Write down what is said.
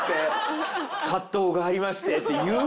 「葛藤がありまして」って言う？